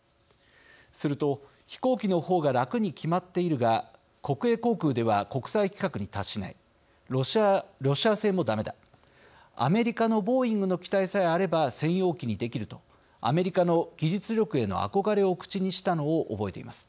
すると飛行機の方が楽に決まっているが国営航空では国際規格に達しないロシア製もダメだアメリカのボーイングの機体さえあれば専用機にできるとアメリカの技術力への憧れを口にしたのを覚えています。